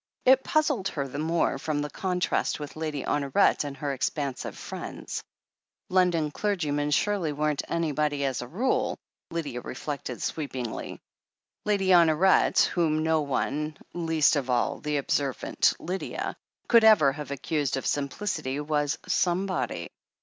It puzzled her the more from the contrast with Lady Honoret and her expansive friends. London clergy men surely weren't "anybody" as a rule, Lydia re 26o THE HEEL OF ACHILLES fleeted sweepingly. Lady Honoret, whom no one, least of all the observant Lydia, could ever have accused of simplicity, was "somebody."